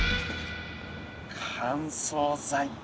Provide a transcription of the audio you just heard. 乾燥剤か。